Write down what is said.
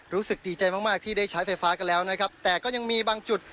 รู้สึกดีใจมากมากที่ได้ใช้ไฟฟ้ากันแล้วนะครับแต่ก็ยังมีบางจุด